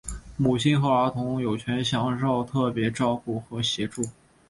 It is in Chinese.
母亲和儿童有权享受特别照顾和协助。